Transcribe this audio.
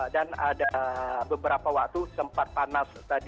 dan ada beberapa waktu sempat panas